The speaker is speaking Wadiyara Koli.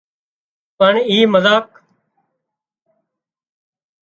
پڻ اي مزاق